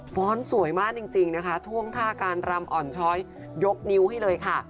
สวยมากจริงนะคะท่วงท่าการรำอ่อนช้อยยกนิ้วให้เลยค่ะ